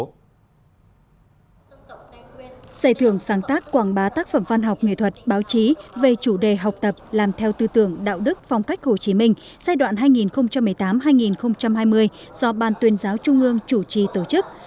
giải thưởng sáng tác quảng bá tác phẩm văn học nghệ thuật báo chí về chủ đề học tập làm theo tư tưởng đạo đức phong cách hồ chí minh giai đoạn hai nghìn một mươi tám hai nghìn hai mươi do ban tuyên giáo trung ương chủ trì tổ chức